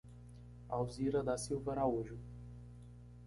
Alzira da Silva Araújo